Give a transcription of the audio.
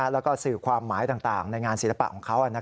แล้วก็สื่อความหมายต่างในงานศิลปะของเขา